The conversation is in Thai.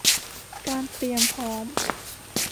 การเตรียมพร้อม